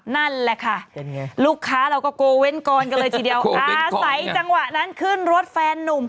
นั่นแหละค่ะลูกค้าเราก็โกเว้นกรกันเลยทีเดียวอาศัยจังหวะนั้นขึ้นรถแฟนนุ่ม